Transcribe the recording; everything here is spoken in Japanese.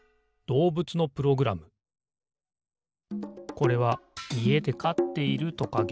これはいえでかっているトカゲ。